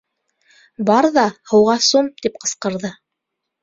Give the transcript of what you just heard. Бар ҙа һыуға сум! — тип ҡысҡырҙы.